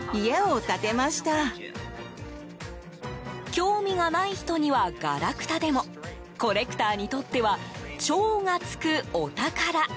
興味がない人にはガラクタでもコレクターにとっては超がつくお宝。